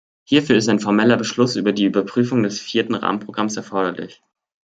Hierfür ist ein formeller Beschluss über die Überprüfung des Vierten Rahmenprogramms erforderlich.